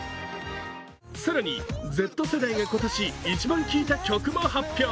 更にＺ世代が今年、一番聴いた曲も発表。